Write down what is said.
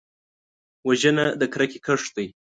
وژنه د کرکې کښت دی